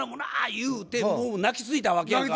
言うてもう泣きついたわけやんか